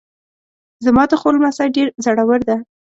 زما د خور لمسی ډېر زړور ده